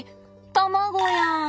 卵やん。